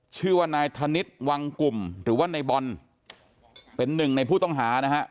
ชื่อว่านายธนิษฐ์วังกลุ่มหรือว่าในบอลเป็นหนึ่งในผู้ต้องหานะฮะ